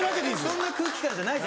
そんな空気感じゃない。